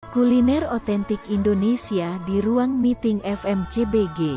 kuliner otentik indonesia di ruang meeting fmcbg